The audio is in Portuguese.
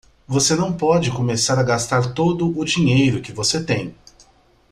Você não pode começar a gastar todo o dinheiro que você tem.